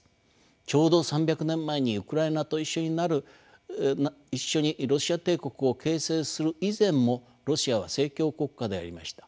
ちょうど３００年前にウクライナと一緒にロシア帝国を形成する以前もロシアは正教国家でありました。